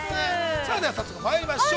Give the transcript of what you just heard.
さあ、それでは早速まいりましょう。